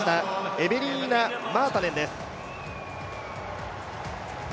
エベリーナ・マータネンです。